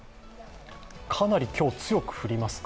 かなり今日、強く降りますか？